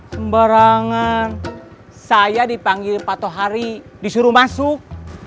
sembarangan saya dipanggil patoh hari disuruh masuk